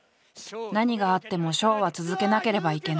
「何があってもショーは続けなければいけない」。